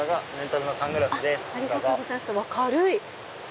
軽い！